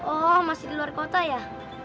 oh masih di luar kota ya